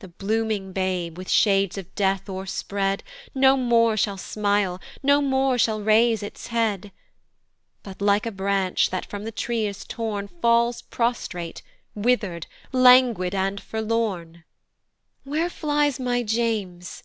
The blooming babe, with shades of Death o'er spread, No more shall smile, no more shall raise its head, But, like a branch that from the tree is torn, Falls prostrate, wither'd, languid, and forlorn. "Where flies my James?"